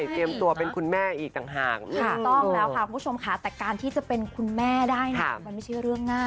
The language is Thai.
ถือว่าเป็นโมเม้นต์ดีนะคะได้เป็นคุณแม่ด้วย